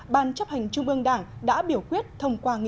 ban chấp hành trung ương đảng đã biểu quyết thông qua nghị quyết